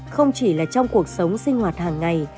không chỉ là trong cuộc sống sinh hoạt hàng ngày